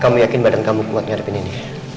kamu yakin badan kamu kuat menghadapi ini